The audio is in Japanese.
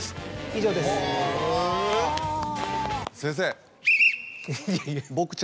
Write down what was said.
先生。